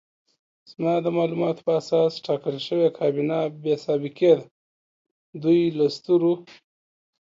زما د معلوماتو په اساس ټاکل شوې کابینه بې سابقې ده، دوی له سترو